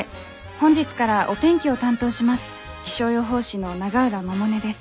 本日からお天気を担当します